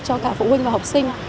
cho cả phụ huynh và học sinh